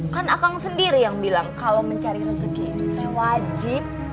kan akang sendiri yang bilang kalau mencari rezeki itu saya wajib